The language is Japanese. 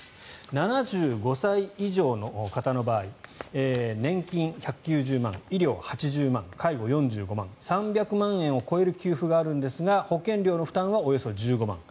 ７５歳以上の方の場合年金、１９０万円医療、８０万円介護、４５万円３００万円を超える給付があるんですが保険料の負担はおよそ１５万円。